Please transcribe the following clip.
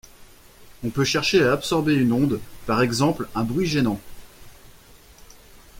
On peut chercher à absorber une onde, par exemple un bruit gênant.